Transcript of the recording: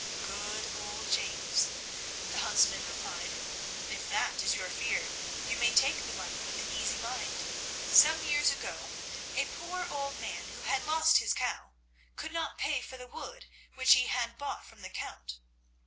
"Good old James," the huntsman replied, "if that is your fear, you may take the money with an easy mind. Some years ago a poor old man, who had lost his cow, could not pay for the wood which he had bought from the Count.